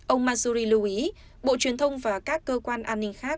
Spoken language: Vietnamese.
ông mansouri lưu ý bộ truyền thông và các cơ quan an ninh khác đã sát